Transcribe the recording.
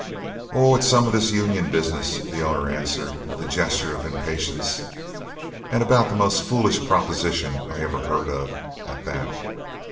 "Oh, it's some of this union business," the other answered, with a gesture of impatience, "and about the most foolish proposition I ever heard of, at that.